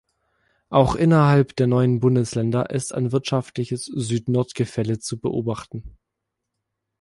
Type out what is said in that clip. Auch innerhalb der neuen Bundesländer ist ein wirtschaftliches Süd-Nord-Gefälle zu beobachten.